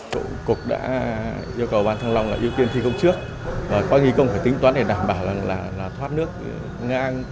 cục đã yêu cầu ban thăng long là yêu kiên thi công trước và có nghi công phải tính toán để đảm bảo là thoát nước ngang